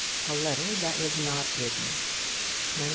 A LETTER THAT WAS NOT WRITTEN 1914.